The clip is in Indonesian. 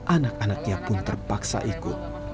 anak anaknya pun terpaksa ikut